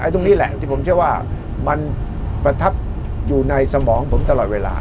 ตรงนี้แหละที่ผมเชื่อว่ามันประทับอยู่ในสมองผมตลอดเวลา